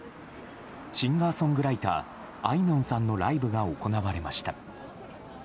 シンガーソングライターあいみょんさんのライブが行われました。